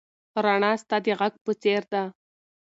رڼا ستا د غږ په څېر ده.